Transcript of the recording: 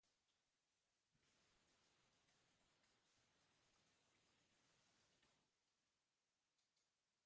Bigarren tratamendu termikoak zelula begetatibo horiek deuseztatzen ditu.